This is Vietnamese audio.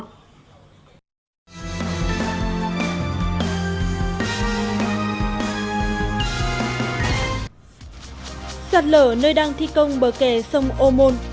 giặt lở nơi đang thi công bờ kè sông ô môn cần thơ